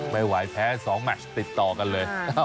ไม่ไหวแพ้๒แมชติดต่อกันเลย